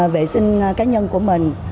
vệ sinh cá nhân của mình